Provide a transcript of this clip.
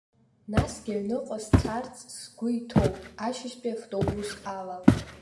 Насгьы, аҩныҟа сцарц сгәы иҭоуп, ашьыжьтәи автобус ала.